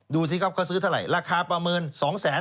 ดูสิครับเขาซื้อเท่าไหร่ราคาประเมิน๒แสน